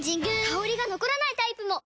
香りが残らないタイプも！